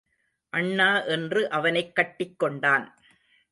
அண்ணா என்று அவனைக் கட்டிக் கொண்டான்.